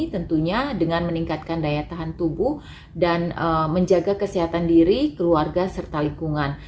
tentunya dengan meningkatkan daya tahan tubuh dan menjaga kesehatan diri keluarga serta lingkungan